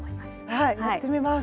はいやってみます！